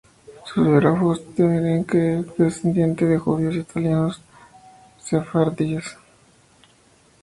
Sus biógrafos creen que fue descendiente de judíos italianos sefardíes.